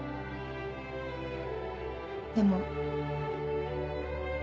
でも。